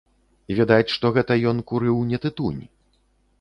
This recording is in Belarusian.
Відаць, што гэта ён курыў не тытунь.